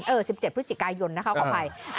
เออ๑๗พกยนะคะเอาไป